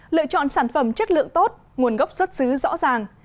lựa chọn sản phẩm chất lượng tốt nguồn gốc xuất xứ rõ ràng